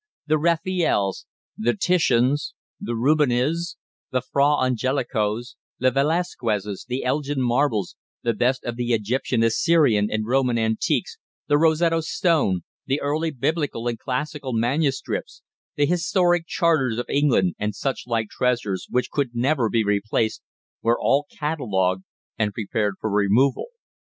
The Raphaels, the Titians, the Rubenses, the Fra Angelicos, the Velasquezes, the Elgin Marbles, the best of the Egyptian, Assyrian, and Roman antiques, the Rosetta Stone, the early Biblical and classical manuscripts, the historic charters of England, and such like treasures which could never be replaced, were all catalogued and prepared for removal.